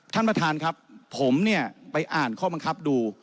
ท่านประธานครับผมเนี่ยไปอ่านข้อบังคับดู